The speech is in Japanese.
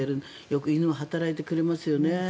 よく犬は働いてくれますよね。